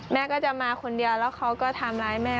แม่ก็จะมาคนเดียวแล้วเขาก็ทำร้ายแม่